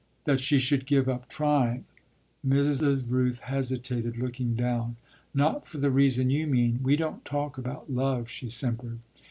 "That she should give up trying." Mrs. Rooth hesitated, looking down. "Not for the reason you mean. We don't talk about love," she simpered.